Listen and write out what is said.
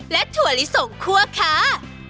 และถั่วลิสงคั่วค่ะ